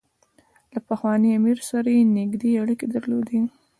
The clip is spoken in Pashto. له پخواني امیر سره یې نېږدې اړیکې درلودې.